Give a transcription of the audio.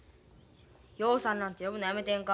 陽さんなんて呼ぶのやめてんか。